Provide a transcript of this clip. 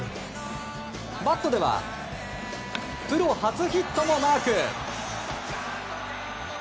バットではプロ初ヒットもマーク。